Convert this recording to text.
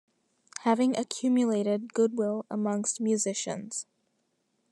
Having accumulated goodwill amongst musicians.